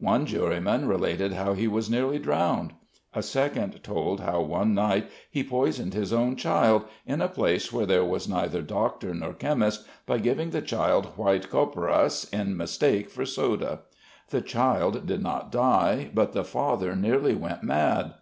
One juryman related how he was nearly drowned. A second told how one night he poisoned his own child, in a place where there was neither doctor nor chemist, by giving the child white copperas in mistake for soda. The child did not die, but the father nearly went mad.